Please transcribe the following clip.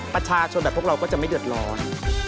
ประชาชนแบบพวกเราก็จะไม่เดือดร้อน